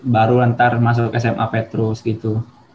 baru ntar masuk sma petrus gitu